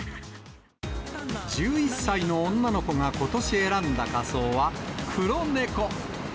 １１歳の女の子がことし選んだ仮装は、黒猫。